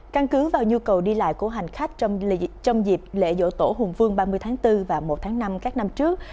căn cứ vào nhu cầu đi lại của hành khách trong dịp lễ dỗ tổ hùng vương ba mươi tháng bốn và một tháng năm các năm trước